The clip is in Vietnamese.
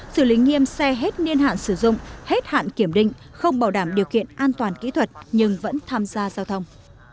che hết niên hạn sử dụng hết hạn kiểm định không bảo đảm điều kiện an toàn kỹ thuật nhưng vẫn tham gia giao thông